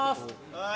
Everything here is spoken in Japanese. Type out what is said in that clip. はい。